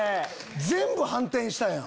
全部反転したやん！